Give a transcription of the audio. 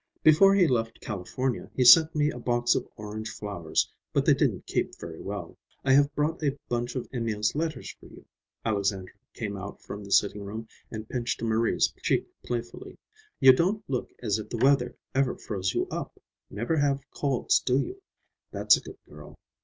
Before he left California he sent me a box of orange flowers, but they didn't keep very well. I have brought a bunch of Emil's letters for you." Alexandra came out from the sitting room and pinched Marie's cheek playfully. "You don't look as if the weather ever froze you up. Never have colds, do you? That's a good girl.